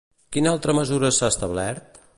Quina altra mesura s'ha establert?